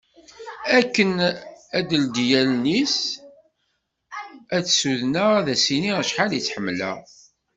Akken ad d-teldi allen-is ad tt-ssudneɣ ad s-iniɣ acḥal i tt-ḥemmleɣ.